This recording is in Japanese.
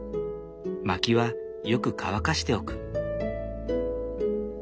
薪はよく乾かしておく。